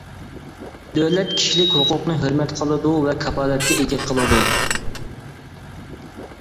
دۆلەت كىشىلىك ھوقۇقنى ھۆرمەت قىلىدۇ ۋە كاپالەتكە ئىگە قىلىدۇ.